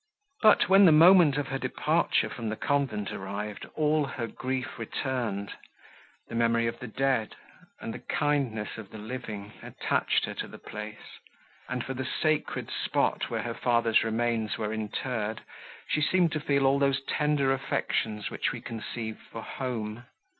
But, when the moment of her departure from the convent arrived, all her grief returned; the memory of the dead, and the kindness of the living attached her to the place; and for the sacred spot, where her father's remains were interred, she seemed to feel all those tender affections which we conceive for home.